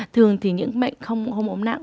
thường thì những mệnh không ốm nặng